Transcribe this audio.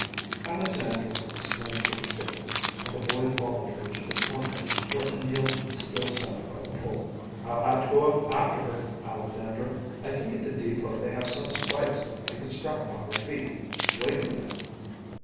Alexandra explained her predicament, and the boy followed her to the corner, where Emil still sat by the pole. "I'll have to go up after her, Alexandra. I think at the depot they have some spikes I can strap on my feet. Wait a minute."